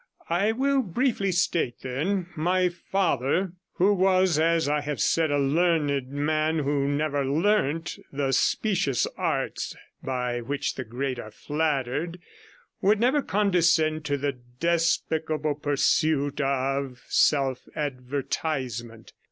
I will briefly state, then my father, who was, as I have said, a learned man who never learnt the specious arts by which the great are flattered, and would never condescend to the despicable pursuit of self advertisement.